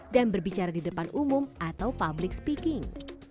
dan berbicara di depan umum atau public speaking